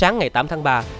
ngày tám tháng ba